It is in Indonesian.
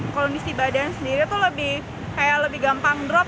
kondisi badan sendiri tuh lebih kayak lebih gampang drop